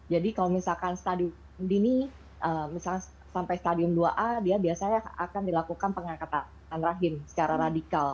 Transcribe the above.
jadi kalau misalkan stadium dini misalnya sampai stadium dua a dia biasanya akan dilakukan pengangkatan rahim secara radikal